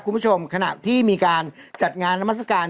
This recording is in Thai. ครับคุณผู้ชมขณะที่มีการจัดงานนามศักรรณ์